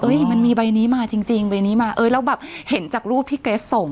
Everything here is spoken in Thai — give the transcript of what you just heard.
มันมีใบนี้มาจริงใบนี้มาเอ้ยแล้วแบบเห็นจากรูปที่เกรสส่ง